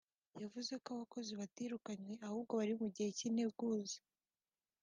yavuze ko abakozi batirukanwe ahubwo bari mu gihe cy’integuza